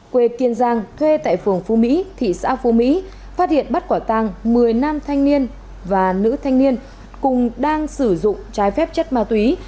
quê kiên giang thuê tại phường phú mỹ thị xã phú mỹ phát hiện bắt quả tàng một mươi nam thanh niên và nữ thanh niên cùng đang sử dụng trái phép chất ma túy